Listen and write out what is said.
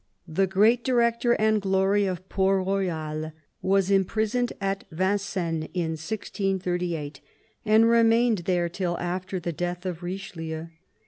The great director and glory of Port Royal was im prisoned at Vincennes in 1638, and remained there till after the death of Richelieu.